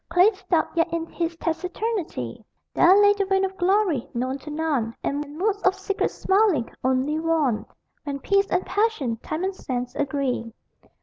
Clay stopped, yet in his taciturnity There lay the vein of glory, known to none; And moods of secret smiling, only won When peace and passion, time and sense, agree.